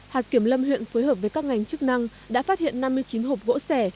hạt kiểm lâm huyện phối hợp với các ngành chức năng đã phát hiện năm mươi chín hộp gỗ sẻ